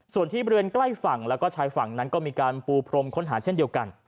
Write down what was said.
ส่วนที่บริเวณใกล้ฝั่งแล้วก็ชายฝั่งนั้นก็มีการปูพรมค้นหาเช่นเดียวกัน